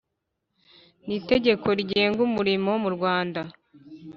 N’itegeko rigenga umurimo mu Rwanda